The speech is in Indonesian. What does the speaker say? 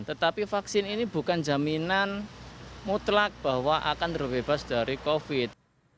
tetapi vaksin ini bukan jaminan mutlak bahwa akan terbebas dari covid